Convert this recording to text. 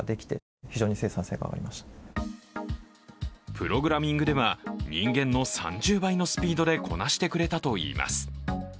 プログラミングでは人間の３０倍のスピードでこなしてくれたといいます。